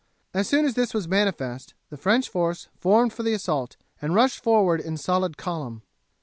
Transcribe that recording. As soon as this was manifest the French force formed for the assault and rushed forward in solid column.